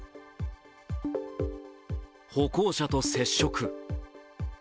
歩行者と接触。